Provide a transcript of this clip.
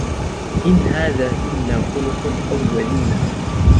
إِنْ هَذَا إِلَّا خُلُقُ الْأَوَّلِينَ